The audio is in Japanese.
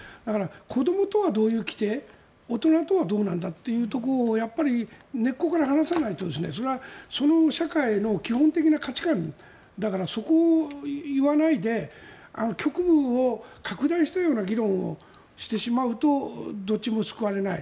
子どもとはどういう規定大人とはどうなんだというのを根っこから話さないとそれはその社会の基本的な価値観だから、そこを言わないで局部を拡大したような議論をしてしまうとどっちも救われない。